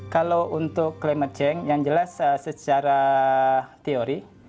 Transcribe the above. kalau untuk climate change yang jelas secara teori